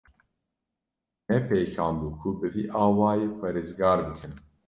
Ne pêkan bû ku bi vî awayî xwe rizgar bikin.